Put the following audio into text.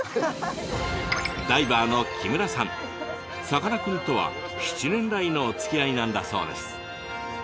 さかなクンとは７年来のおつきあいなんだそうです。